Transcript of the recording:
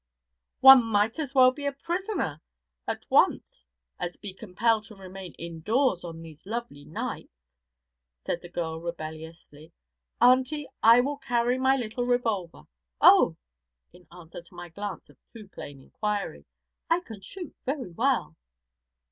'One might as well be a prisoner at once as be compelled to remain indoors on these lovely nights,' said the girl rebelliously. 'Auntie, I will carry my little revolver. Oh,' in answer to my glance of too plain inquiry, 'I can shoot very well.'